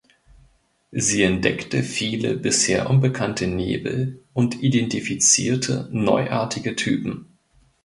Sie entdeckte viele bisher unbekannte Nebel und identifizierte neuartige Typen.